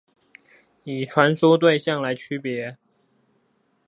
以傳輸對象來區別